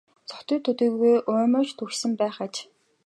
Согтуу төдийгүй уймарч түгшсэн байх аж.